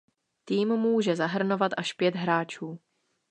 Tým může zahrnovat až pět hráčů.